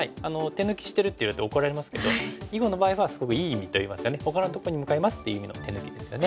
手抜きしてるっていうと怒られますけど囲碁の場合はすごくいい意味といいますか「ほかのところに向かいます」っていう意味の手抜きですよね。